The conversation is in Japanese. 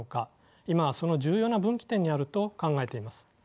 今はその重要な分岐点にあると考えています。